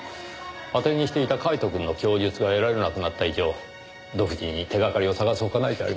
当てにしていたカイトくんの供述が得られなくなった以上独自に手がかりを探す他ないじゃありませんか。